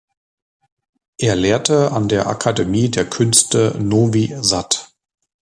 Er lehrte an der Akademie der Künste Novi Sad.